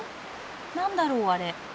何だろうあれ。